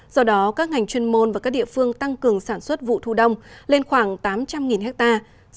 do đó các ngành chuyên môn và các địa phương tăng cường sản xuất vụ thu đông lên khoảng tám trăm linh hectare